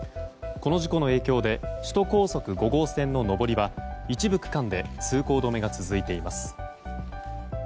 この事故の影響で首都高速５号線の上りは一部区間で通行止めが続いています。